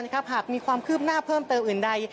หากมีความคืบหน้าเพิ่มเติมอื่นใด